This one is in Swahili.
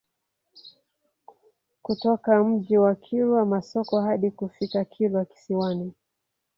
Kutoka Mji wa Kilwa Masoko hadi kufika Kilwa Kisiwani